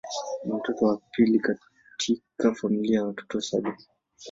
Ni mtoto wa pili katika familia ya watoto saba.